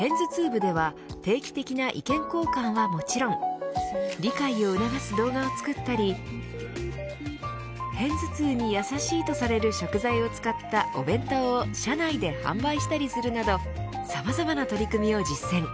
部では定期的な意見交換はもちろん理解を促す動画を作ったり片頭痛にやさしいとされる食材を使ったお弁当を社内で販売したりするなどさまざまな取り組みを実践。